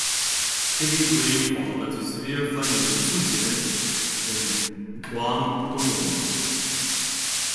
Heavy rainfall led to severe flooding in Fujian and Guangdong.